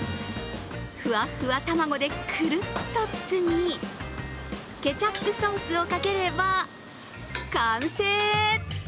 ふわふわ卵でくるっと包み、ケチャップソースをかければ完成！